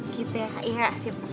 gitu ya kak iha sip